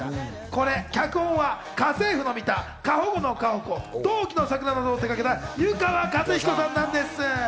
これ脚本は『家政婦のミタ』、『過保護のカホコ』、『同期のサクラ』などを手がけた遊川和彦さんなんです。